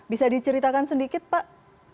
bisa diceritakan sedikit pak